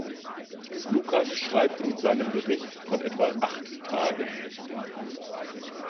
Lukas schreibt in seinem Bericht von etwa acht Tagen.